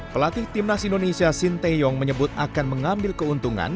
pelatih tim nas indonesia sinteyong menyebut akan mengambil keuntungan